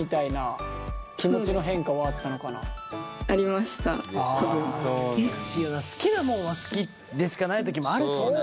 難しいよな好きなもんは好きでしかない時もあるしな。